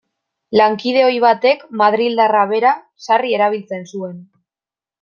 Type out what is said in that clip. Lankide ohi batek, madrildarra bera, sarri erabiltzen zuen.